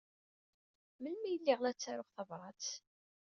Melmi ay lliɣ la ttaruɣ tabṛat?